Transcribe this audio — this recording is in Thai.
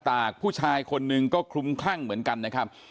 ตากผู้ชายคนหนึ่งก็คลุมคลั่งเหมือนกันนะครับ